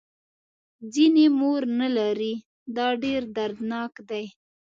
ځینې مور نه لري دا ډېر دردناک دی.